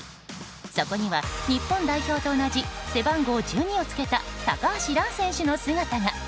そこには、日本代表と同じ背番号１２をつけた高橋藍選手の姿が。